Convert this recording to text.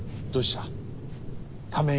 どうした？